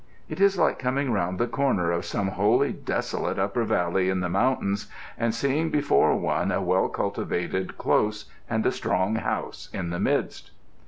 It is like coming round the corner of some wholly desolate upper valley in the mountains and seeing before one a well cultivated close and a strong house in the midst.